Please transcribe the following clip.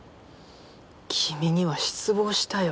君には失望したよ。